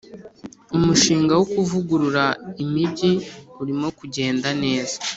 umushinga wo kuvugurura imijyi urimo kugenda neza.